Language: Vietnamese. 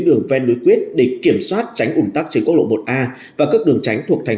đường ven núi quyết để kiểm soát tránh ủn tắc trên quốc lộ một a và các đường tránh thuộc thành